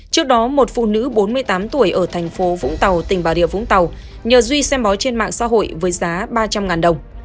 trước đó một phụ nữ bốn mươi tám tuổi ở thành phố vũng tàu tỉnh bà rịa vũng tàu nhờ duy xem bói trên mạng xã hội với giá ba trăm linh đồng